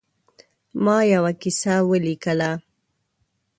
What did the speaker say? ما یوه کیسه ولیکله.